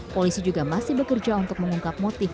polisi juga masih bekerja untuk mengungkap motif